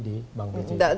di bank beji